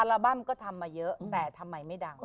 บั้มก็ทำมาเยอะแต่ทำไมไม่ดัง